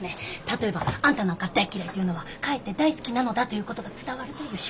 例えば「あんたなんか大嫌い」というのはかえって大好きなのだということが伝わるという手法です。